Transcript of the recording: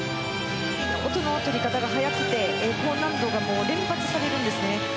音の取り方が早くて高難度が連発されるんですよね。